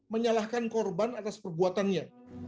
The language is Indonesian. menyalahkan korban atas perbuatannya